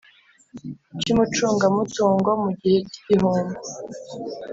cy umucungamutungo mu gihe cy igihombo